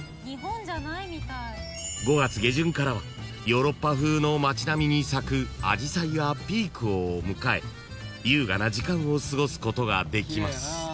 ［５月下旬からはヨーロッパ風の街並みに咲くあじさいがピークを迎え優雅な時間を過ごすことができます］